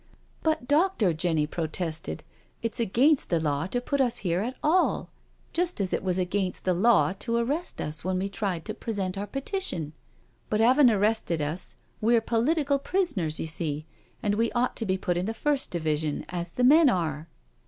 " But doctor/' Jenny protested, "it's against the law to put us here at all— just as it was against the law to arrest us when we tried to present our Petition — but havin' arrested us we're political prisoners, you see^ and we ought to be put in the first division as the men are.'